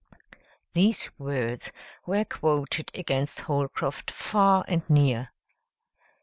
These words were quoted against Holcroft, far and near.